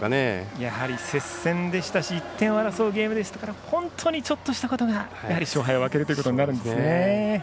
やはり接戦でしたし１点を争うゲームでしたから本当にちょっとしたことが勝敗を分けるんですね。